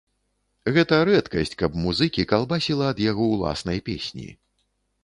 Гэта рэдкасць, каб музыкі калбасіла ад яго ўласнай песні.